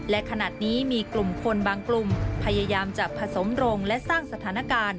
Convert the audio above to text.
และขณะนี้มีกลุ่มคนบางกลุ่มพยายามจะผสมโรงและสร้างสถานการณ์